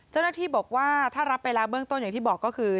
เจ้าหน้าที่บอกว่าถ้ารับไปแล้วเบื้องต้นอย่างที่บอกก็คือ